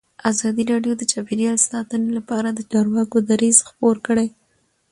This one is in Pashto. ازادي راډیو د چاپیریال ساتنه لپاره د چارواکو دریځ خپور کړی.